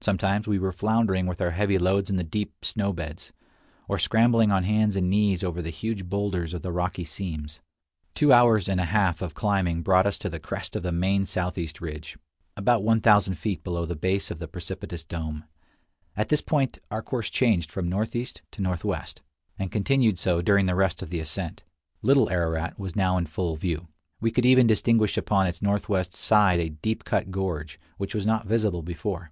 Sometimes we were floundering with our heavy loads in the deep snow beds, or scrambling on hands and knees over the huge boulders of the rocky seams. Two hours and a half of climbing brought us to the crest of the 62 Across Asia on a Bicycle [701 main southeast ridge, about one thousand feet below the base of the precipitous dome. At this point our course changed from northeast to northwest, and continued so during the rest of the ascent. Little Ararat was now in full view. We could even distinguish upon its northwest side a deep cut gorge, which was not visible before.